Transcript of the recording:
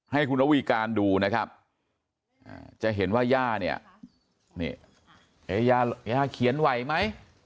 ให้คุณระวีการดูนะครับจะเห็นว่าย่าเนี่ยนี่ยาเขียนไหวไหม